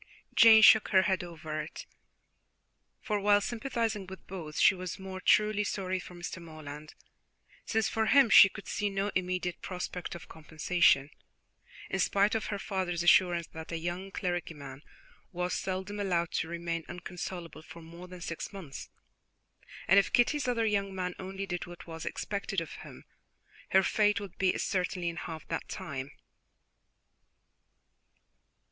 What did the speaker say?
Jane shook her head over it, for, while sympathizing with both, she was more truly sorry for Mr. Morland, since for him she could see no immediate prospect of compensation, in spite of her father's assurances that a young clergyman was seldom allowed to remain inconsolable for more than six months, and if Kitty's other young man only did what was expected of him, her fate would be a certainty in half that time.